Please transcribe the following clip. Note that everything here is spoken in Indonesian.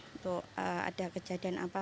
untuk ada kejadian apa